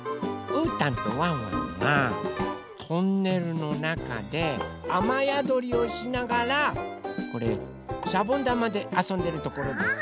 うーたんとワンワンがトンネルのなかであまやどりをしながらこれしゃぼんだまであそんでるところです。